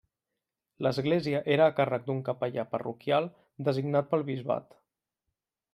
L'església era a càrrec d'un capellà parroquial designat pel bisbat.